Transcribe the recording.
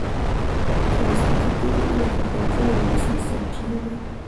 پلاستيکي توکي د ککړتیا یوه اصلي سرچینه ده.